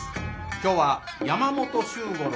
今日は山本周五郎